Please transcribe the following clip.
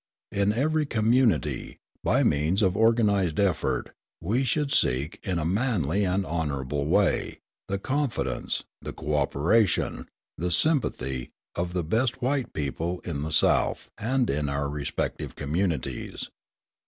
In every community, by means of organised effort, we should seek, in a manly and honourable way, the confidence, the co operation, the sympathy, of the best white people in the South and in our respective communities.